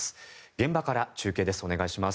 現場から中継です。